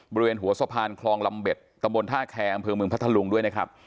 บริเวณหัวสะพานคลองลำเบ็ดตำบลท่าแคร์อำเภอเมืองพัทธลุงด้วยนะครับ